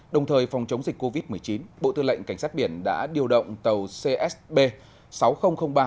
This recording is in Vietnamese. đồng thời phòng chống dịch covid một mươi chín bộ tư lệnh cảnh sát biển đã điều động tàu csb sáu nghìn ba